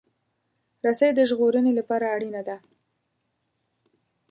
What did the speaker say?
رسۍ د ژغورنې لپاره اړینه ده.